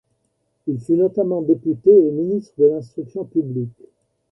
Il fut notamment député et ministre de l'Instruction publique.